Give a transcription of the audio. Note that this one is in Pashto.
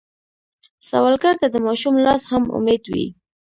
سوالګر ته د ماشوم لاس هم امید وي